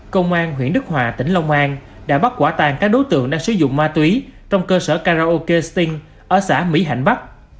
công an huyện đức hòa tỉnh long an đã bắt quả tàn các đối tượng đang sử dụng ma túy trong cơ sở karaoke sting ở xã mỹ hạnh bắc